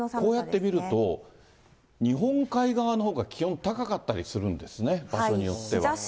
こうやって見ると、日本海側のほうが気温高かったりするんですね、場所によっては。